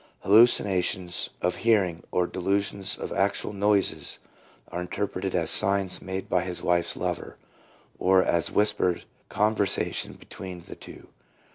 Hallucinations of hearing, or delusions of actual noises, are interpreted as signs made by his wife's lover, or as whispered conversation between the two.